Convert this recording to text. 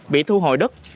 bị thu hồi đất